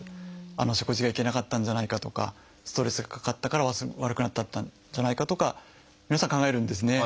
あの食事がいけなかったんじゃないかとかストレスがかかったから悪くなっちゃったんじゃないかとか皆さん考えるんですね。